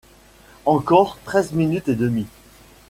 Encore treize minutes et demie.